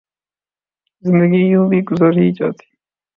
زندگی یوں بھی گزر ہی جاتی